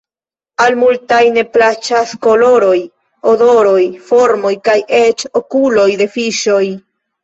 Al multaj ne plaĉas koloroj, odoroj, formoj kaj eĉ okuloj de fiŝoj.